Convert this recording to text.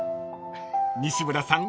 ［西村さん